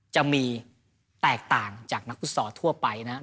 จะมีแตกต่างจากนักฟุตศรัฐทั่วไปนะครับ